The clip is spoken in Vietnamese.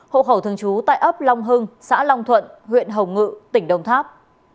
hộ khẩu thường trú tại ấp long hưng xã long thuận huyện hồng ngự tỉnh đồng tháp